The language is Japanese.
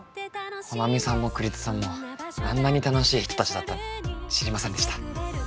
穂波さんも栗津さんもあんなに楽しい人たちだったなんて知りませんでした。